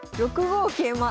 ６五桂馬。